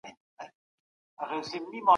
د حقوق الله په اړه انسانان پوروړي دي.